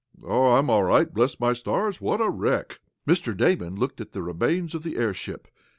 "Oh, I'm all right. Bless my stars, what a wreck!" Mr. Damon looked at the remains of the airship.